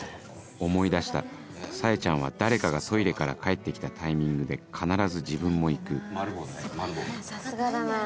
思い出したサエちゃんは誰かがトイレから帰って来たタイミングで必ず自分も行く「〇膀」だよ